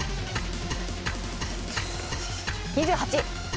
２８。